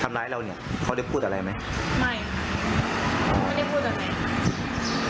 ทำร้ายเราเนี่ยเขาได้พูดอะไรไหมไม่ค่ะเขาไม่ได้พูดอะไร